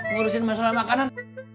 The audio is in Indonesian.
ngurusin masalah makanan